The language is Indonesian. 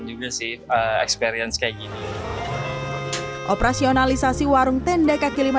juga sih experience kayak gini operasionalisasi warung tenda kaki lima